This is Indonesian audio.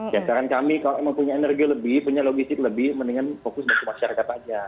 ya sekarang kami kalau memang punya energi lebih punya logistik lebih mendingan fokus ke masyarakat aja